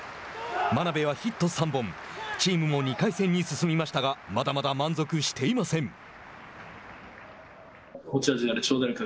真鍋はヒット３本チームも２回戦に進みましたがまだまだ満足していません。